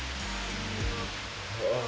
ああ。